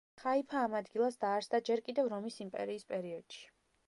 ხაიფა ამ ადგილას დაარსდა ჯერ კიდევ რომის იმპერიის პერიოდში.